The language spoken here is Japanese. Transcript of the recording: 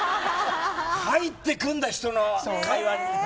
入ってくるんだ、人の会話に。